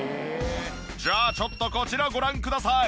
じゃあちょっとこちらご覧ください。